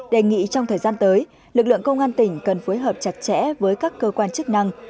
đề nghị trong thời gian tới lực lượng công an tỉnh cần phối hợp chặt chẽ với các cơ quan chức năng